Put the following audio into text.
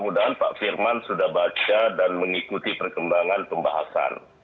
kalau saya lihat komentar pak firman saya khawatir beliau ini tidak pernah mengikuti perkembangan pembahasan